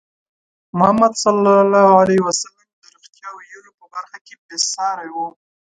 محمد صلى الله عليه وسلم د رښتیا ویلو په برخه کې بې ساری وو.